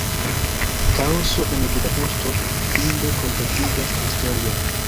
Kaoso en Budapeŝto inde kompletigas la historion.